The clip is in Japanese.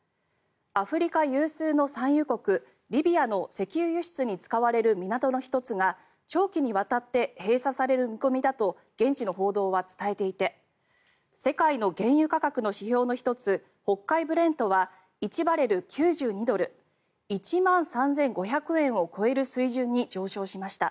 アフリカ有数の産油国リビアの石油輸出に使われる港の１つが長期にわたって閉鎖される見込みだと現地の報道は伝えていて世界の原油価格の指標の１つ北海ブレントは１バレル＝９２ドル１万３５００円を超える水準に上昇しました。